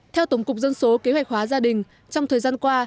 theo tổng cục dân số kế hoạch hóa gia đình trong thời gian qua